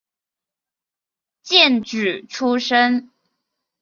荐举出身。